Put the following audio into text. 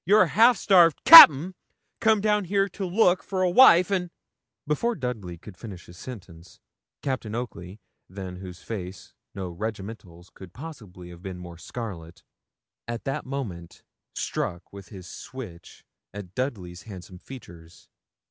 You're a half starved cappen, come down here to look for a wife, and ' Before Dudley could finish his sentence, Captain Oakley, than whose face no regimentals could possibly have been more scarlet, at that moment, struck with his switch at Dudley's handsome features.